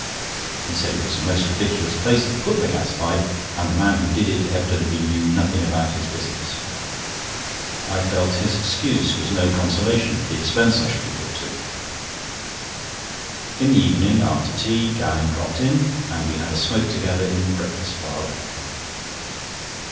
He said it was a most ridiculous place to put the gas pipe, and the man who did it evidently knew nothing about his business. I felt his excuse was no consolation for the expense I shall be put to. In the evening, after tea, Gowing dropped in, and we had a smoke together in the breakfast parlour.